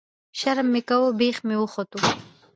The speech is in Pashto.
ـ شرم مې کوو بېخ مې وختو.